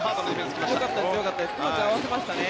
うまく合わせましたね。